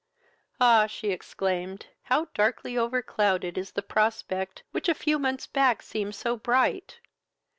"Ah! (she exclaimed,) how darkly overclouded is the prospect which a few months back seemed so bright!